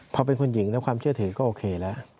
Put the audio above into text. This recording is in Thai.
พอเป็นคุณหญิงแล้วความเชื่อถือก็โอเคแล้ว